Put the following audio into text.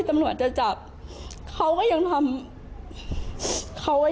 ก่อนตำรวจจะเข้าไปจับเขาปกติ